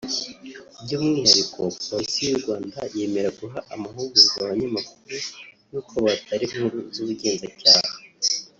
by’umwihariko Polisi y’u Rwanda yemera guha amahugurwa abanyamakuru y’uko batara inkuru z’ubugenzacyaha